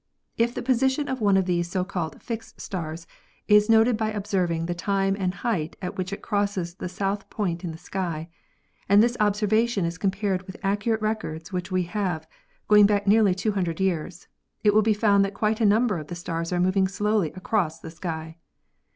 If the position of one of these so called fixed stars is noted by observing the time and the height at which it crosses the south point in the sky, and this observation is compared with accurate records which we have, going back nearly 200 years, it will be found that quite a number of the stars are moving slowly across the sky.